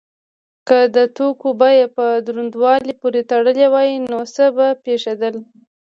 که د توکو بیه په دروندوالي پورې تړلی وای نو څه به پیښیدل؟